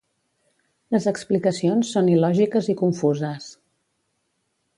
Les explicacions són il·lògiques i confuses.